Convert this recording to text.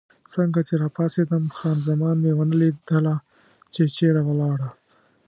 څنګه چې راپاڅېدم، خان زمان مې ونه لیدله، چې چېرې ولاړه.